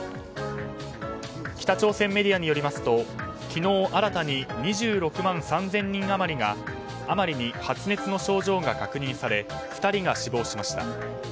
北朝鮮メディアによりますと昨日新たに２６万３０００人余りに発熱の症状が確認され２人が死亡しました。